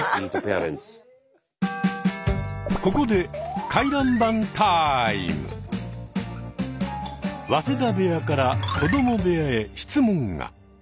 ここで早稲田部屋から子ども部屋へ質問が。